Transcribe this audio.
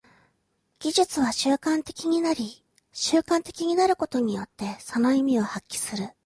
技術は習慣的になり、習慣的になることによってその意味を発揮する。